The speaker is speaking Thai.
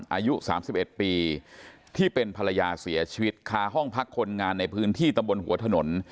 อายุ๓๑ปีที่เป็นภรรยาเสียชีวิตคาห้องพักคนงานในพื้นที่ตำบลหัวถนน